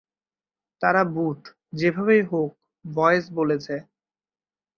তারা বুট, যেভাবেই হোক, ভয়েস বলেছে।